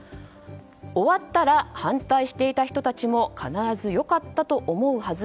終わったら反対していた人たちも必ず良かったと思うはず